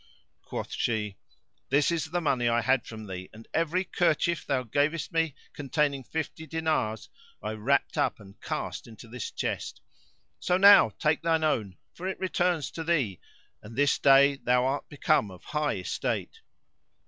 Quoth she, "This is the money I had from thee and every kerchief thou gavest me, containing fifty dinars, I wrapped up and cast into this chest; so now take thine own, for it returns to thee, and this day thou art become of high estate.